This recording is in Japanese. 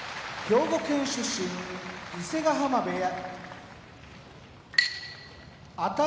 静岡県出身伊勢ヶ浜部屋